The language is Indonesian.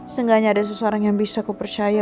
seenggaknya ada seseorang yang bisa kupercaya